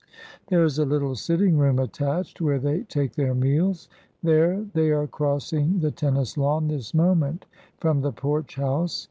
There is a little sitting room attached, where they take their meals. There, they are crossing the tennis lawn this moment from the Porch House.